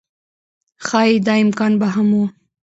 ښايي دا امکان به هم و